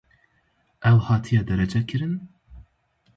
Ew hatiye derecekirin?